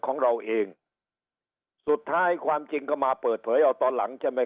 ของเราเองสุดท้ายความจริงก็มาเปิดเผยเอาตอนหลังใช่ไหม